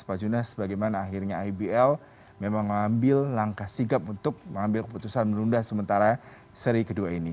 pak junas bagaimana akhirnya ibl memang mengambil langkah sigap untuk mengambil keputusan menunda sementara seri kedua ini